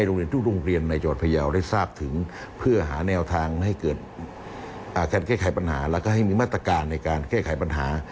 และก็ให้มีมาตรการในการแค่ไขปัญหา